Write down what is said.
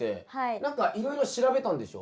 何かいろいろ調べたんでしょ？